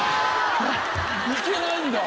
いけないんだ。